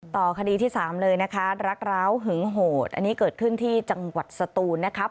ต่อคดีที่สามเลยนะคะรักร้าวหึงโหดอันนี้เกิดขึ้นที่จังหวัดสตูนนะครับ